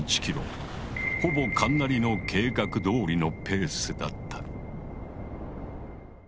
ほぼ神成の計画どおりのペースだった。